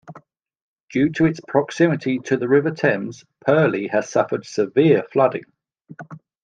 Due to its proximity to the River Thames, Purley has suffered severe flooding.